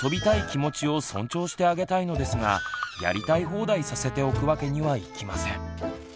気持ちを尊重してあげたいのですがやりたい放題させておくわけにはいきません。